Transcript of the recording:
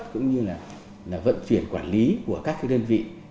cũng như là vận chuyển quản lý của các đơn vị